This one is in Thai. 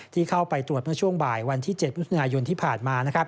ที่เข้าไปตรวจเมื่อช่วงบ่ายวันที่๗มิถุนายนที่ผ่านมา